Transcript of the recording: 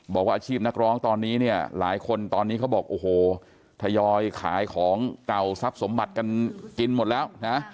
บอกว่าอาชีพนักร้องตอนนี้เนี่ยหลายคนตอนนี้เขาบอกโอ้โหทยอยขายของเก่าทรัพย์สมบัติกันกินหมดแล้วนะ